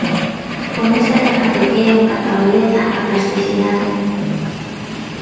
Con este remate que é un canto á beleza, á plasticidade.